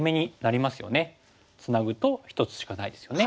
ツナぐと１つしかないですよね。